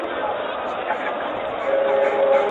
موږ تېره میاشت په واده کې ډېر اتڼ وکړ.